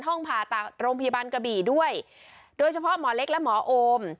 ห้องผ่าตัดโรงพยาบาลกระบี่ด้วยโดยเฉพาะหมอเล็กและหมอโอม